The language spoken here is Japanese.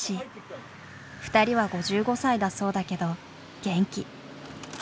２人は５５歳だそうだけど元気。